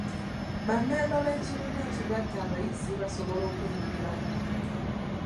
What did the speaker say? Bammemba b'ekibiina ekigatta abayizi basobola okwenyigira mu bulimi.